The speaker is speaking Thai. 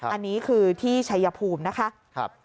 อันนี้คือที่ชัยภูมินะคะ